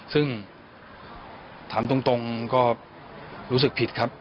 ซึ่งถามตรงก็รู้สึกผิดครับ